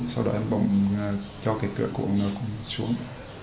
sau đó em bấm cho cái cửa cuốn nó xuống